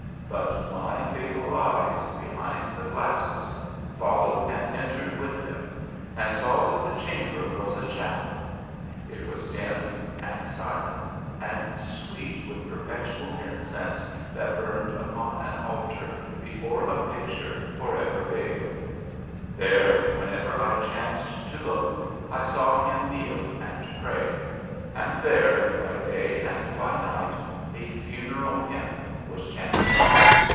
But my fatal eyes, behind the glasses, followed and entered with him, and saw that the chamber was a chapel. It was dim, and silent, and sweet with perpetual incense that burned upon an altar before a picture forever veiled. There, whenever I chanced to look, I saw him kneel and pray; and there, by day and by night, a funeral hymn was chanted.